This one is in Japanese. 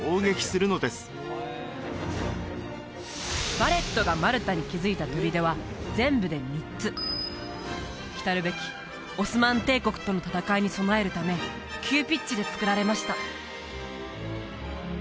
ヴァレットがマルタに築いた砦は全部で３つきたるべきオスマン帝国との戦いに備えるため急ピッチでつくられました